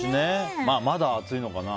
まだ暑いのかな。